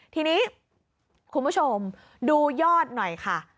ทีนี้คุณผู้ชมดูยอดหน่อยค่ะ